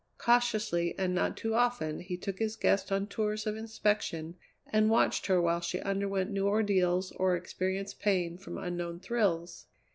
Cautiously, and not too often, he took his guest on tours of inspection and watched her while she underwent new ordeals or experienced pain from unknown thrills.